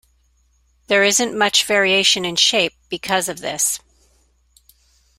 There isn't much variation in shape because of this.